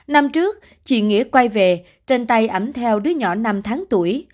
năm trước chị nghĩa quay về trên tay ẩm theo đứa nhỏ năm tháng tuổi